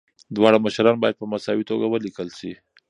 دواړه مشران باید په مساوي توګه ولیکل شي.